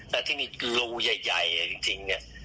แต่ที่มีรูใหญ่จริงเนี่ย